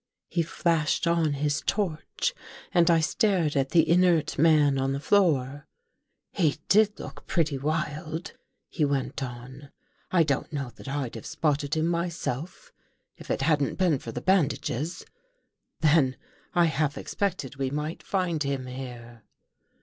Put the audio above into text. " He flashed on his torch and I stared at the Inert man on the floor. " He did look pretty wild," he went on. " I don't know that I'd have spotted him myself. If It hadn't been for the ban dages. Then, I half expected we might find him here."